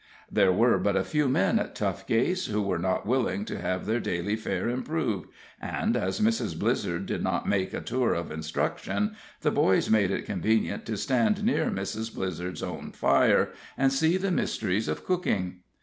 There were but a few men at Tough Case who were not willing to have their daily fare improved, and as Mrs. Blizzer did not make a tour of instruction, the boys made it convenient to stand near Mrs. Blizzer's own fire, and see the mysteries of cooking.